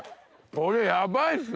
これヤバいっすね。